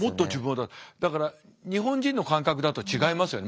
だから日本人の感覚だと違いますよね